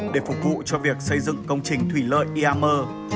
để phục vụ cho việc xây dựng công trình thủy lợi iammer